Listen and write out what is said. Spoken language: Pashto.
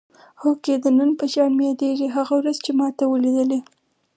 هوکې د نن په شان مې یادېږي هغه ورځ چې ما ته ولیدلې.